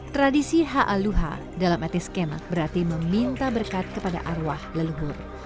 tradisi ha'aluha dalam etik skemak berarti meminta berkat kepada arwah leluhur